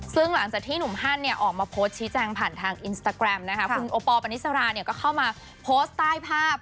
ซึ่งหลังจากที่หนุ่มฮันเนี่ยออกมาโพสต์ชี้แจงผ่านทางอินสตาแกรมนะคะคุณโอปอลปณิสราเนี่ยก็เข้ามาโพสต์ใต้ภาพ